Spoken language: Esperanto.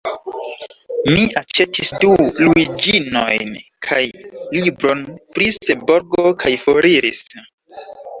Mi aĉetis du luiĝinojn kaj libron pri Seborgo, kaj foriris.